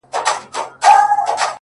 شېخ سره وښورېدی زموږ ومخته کم راغی;